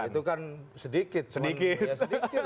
itu kan sedikit sedikit